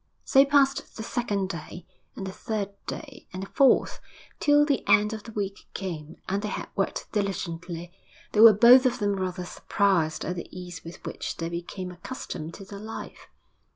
So passed the second day; and the third day, and the fourth; till the end of the week came, and they had worked diligently. They were both of them rather surprised at the ease with which they became accustomed to their life.